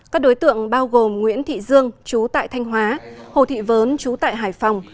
các đối tượng bao gồm nguyễn thị dương chú tại thanh hóa hồ thị vớn chú tại hải phòng